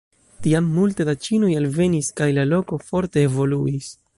Tiam multe da ĉinoj alvenis kaj la loko forte evoluis.